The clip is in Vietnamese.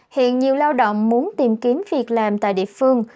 hiện nhiều lao động muốn tìm kiếm việc làm tại địa phương